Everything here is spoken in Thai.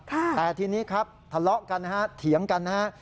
แต่ทีนี้ครับทะเลาะกันนะฮะเถียงกันนะฮะ